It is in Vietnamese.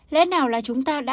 lẽ nào là chúng ta đã dịch chuyển